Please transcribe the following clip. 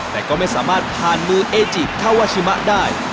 แต่ก็ไม่สามารถผ่านมือเอจิคาวาชิมะได้